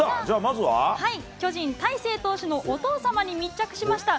巨人、大勢選手のお父様に密着しました。